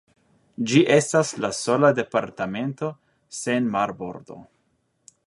Ĝi estas la sola departemento sen marbordo.